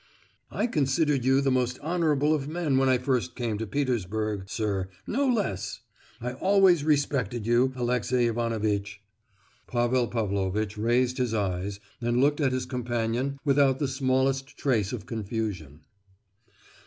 "I considered you the most honourable of men when I first came to Petersburg, sir; no less. I always respected you, Alexey Ivanovitch!" Pavel Pavlovitch raised his eyes and looked at his companion without the smallest trace of confusion.